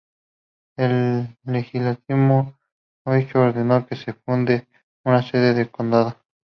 El legislativo de Ohio ordenó que se funde una sede de condado.